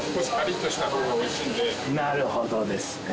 なるほどですね。